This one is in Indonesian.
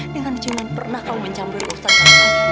dengan jangan pernah kamu mencampurikannya